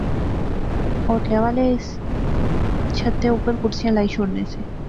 ہوٹلے والے اس چھتے اوپر کرسیاں لائی شوڑنے سے